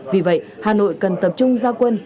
vì vậy hà nội cần tập trung ra quân